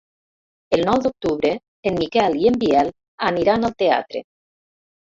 El nou d'octubre en Miquel i en Biel aniran al teatre.